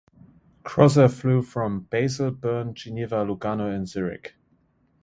Crossair flew from Basel, Bern, Geneva, Lugano and Zurich.